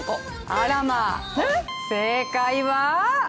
あらま、正解は？